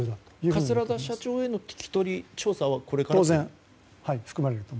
桂田精一社長への聞き取り調査はこれからだと。